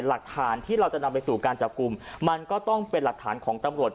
หลักฐานที่เราจะนำไปสู่การจับกลุ่มมันก็ต้องเป็นหลักฐานของตำรวจ